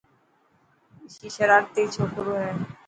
رشي شرارتي ڇوڪرو هي.